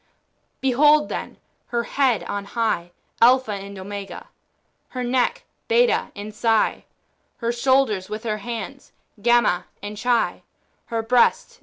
Behold, then, her head on high. Alpha and Omega ; her neck, Beta and Psi ; her shoulders with her hands, Gamma and Chi ; her breast.